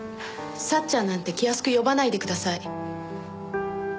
さっちゃんなんて気安く呼ばないでください。